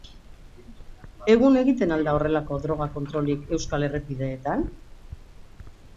Egun egiten al da horrelako droga kontrolik euskal errepideetan.